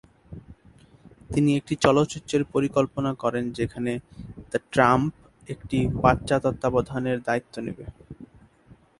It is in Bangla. তিনি একটি চলচ্চিত্রের পরিকল্পনা করেন যেখানে দ্য ট্রাম্প একটি বাচ্চার তত্ত্বাবধানের দায়িত্ব নিবে।